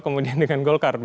kemudian dengan golkar begitu